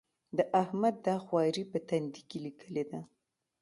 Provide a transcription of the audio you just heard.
د احمد دا خواري په تندي کې ليکلې ده.